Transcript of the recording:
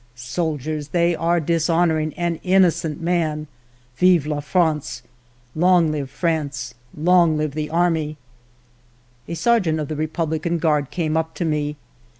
Soldiers, they are dishonoring an innocent man. Vive la France, vive Tarmee !" A Sergeant of the Republican Guard came up to me.